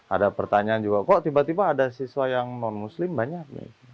ada pertanyaan juga kok tiba tiba ada siswa yang non muslim banyak